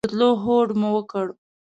د تلو هوډ مو وکړ.